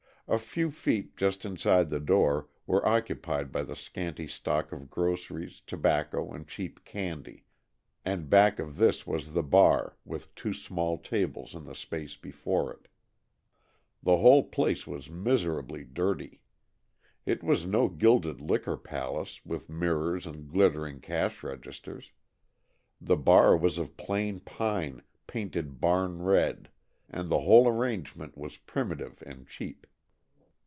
A few feet, just inside the door, were occupied by the scanty stock of groceries, tobacco and cheap candy, and back of this was the bar, with two small tables in the space before it. The whole place was miserably dirty. It was no gilded liquor palace, with mirrors and glittering cash registers. The bar was of plain pine, painted "barn red," and the whole arrangement was primitive and cheap.